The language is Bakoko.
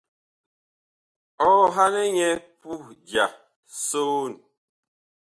Ɔhanɛ nyɛ puh ja soon.